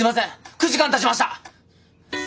９時間たちました！